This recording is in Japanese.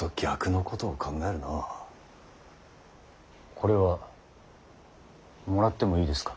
これはもらってもいいですか。